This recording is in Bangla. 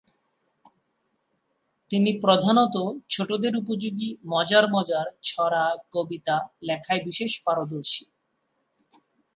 তিনি প্রধানত ছোটদের উপযোগী মজার মজার ছড়া-কবিতা লেখায় বিশেষ পারদর্শী।